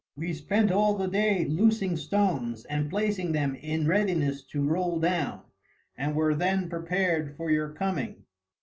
We spent all the day loosing stones and placing them in readiness to roll down, and were then prepared for your coming.